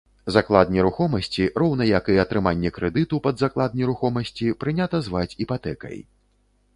Заклад нерухомасці, роўна як і атрыманне крэдыту пад заклад нерухомасці, прынята зваць іпатэкай.